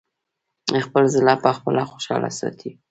خپل زړه پخپله خوشاله ساتی!